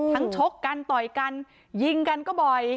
ชกกันต่อยกันยิงกันก็บ่อย